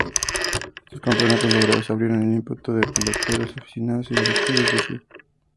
Estos campeonatos logrados abrieron el ímpetu de peloteros, aficionados y directivos de Cd.